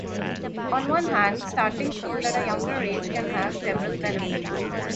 On one hand, starting school at a younger age can have several benefits.